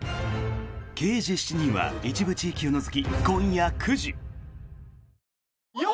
「刑事７人」は一部地域を除き、今夜９時。